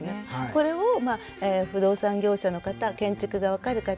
これを不動産業者の方建築が分かる方